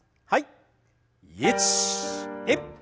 はい。